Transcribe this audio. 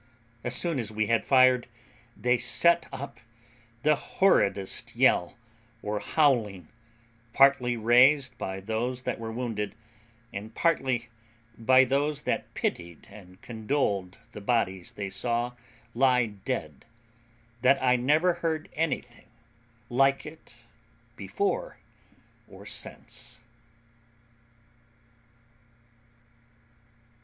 As soon as we had fired, they set up the horridest yell, or howling, partly raised by those that were wounded, and partly by those that pitied and condoled the bodies they saw lie dead, that I never heard anything like it before or since.